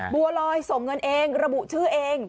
บัวลอยส่งเงินเองระบุชื่อเอง